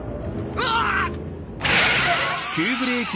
うわっ！